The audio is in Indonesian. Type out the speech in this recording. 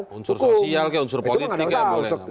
hukum unsur sosial unsur politik